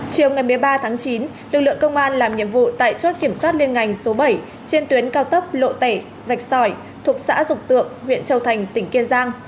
chiều ngày một mươi ba tháng chín lực lượng công an làm nhiệm vụ tại chốt kiểm soát liên ngành số bảy trên tuyến cao tốc lộ tẻ rạch sỏi thuộc xã dục tượng huyện châu thành tỉnh kiên giang